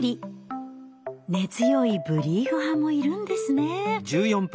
根強いブリーフ派もいるんですね。